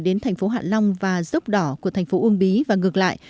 đến thành phố hạ long và dốc đỏ của thành phố uông bí và ngược lại